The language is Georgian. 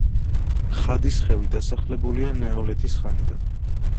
ხადის ხევი დასახლებულია ნეოლითის ხანიდან.